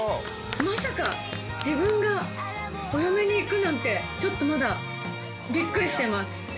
まさか自分がお嫁にいくなんて、ちょっと、まだ、びっくりしてます。